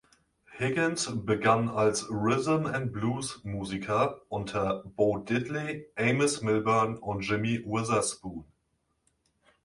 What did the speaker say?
Higgins begann als Rhythm and Blues-Musiker unter Bo Diddley, Amos Milburn und Jimmy Witherspoon.